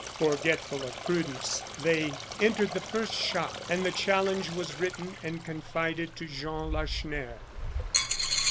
Forgetful of prudence they entered the first shop, and the challenge was written and confided to Jean Lacheneur.